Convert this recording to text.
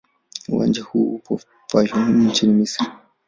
Uwanja huu upo Fayoum nchini Misri.